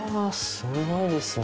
すごいですね。